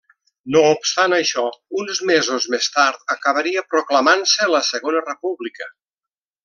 No obstant això, uns mesos més tard acabaria proclamant-se la Segona República.